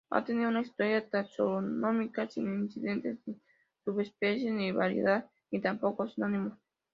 Ha tenido una historia taxonómica sin incidentes, sin subespecies ni variedades, y tampoco sinónimos.